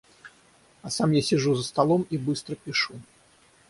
А сам я сижу за столом и быстро пишу.